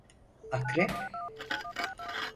Akrep!